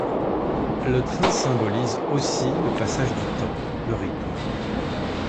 Le train symbolise aussi le passage du temps, le rythme.